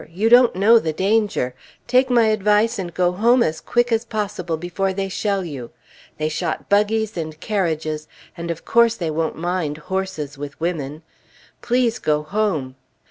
You don't know the danger! Take my advice and go home as quick as possible before they shell you! They shot buggies and carriages, and of course they won't mind horses with women! Please go home!"